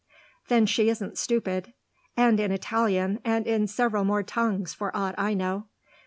"Then she isn't stupid." "And in Italian, and in several more tongues, for aught I know."